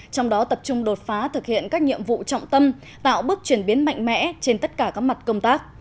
trong đó tập trung đột phá thực hiện các nhiệm vụ trọng tâm tạo bước chuyển biến mạnh mẽ trên tất cả các mặt công tác